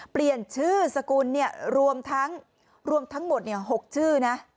เปลี่ยนชื่อสกุลรวมทั้งหมด๖ชื่อนะ